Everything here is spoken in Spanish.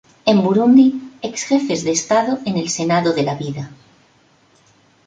En Burundi, ex jefes de Estado en el Senado de la vida.